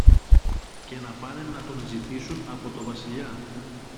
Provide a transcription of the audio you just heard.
και να πάνε να τον ζητήσουν από το Βασιλιά.